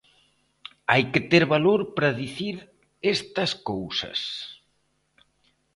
¡Hai que ter valor para dicir estas cousas!